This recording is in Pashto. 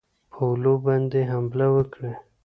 پولو باندي حمله وکړي.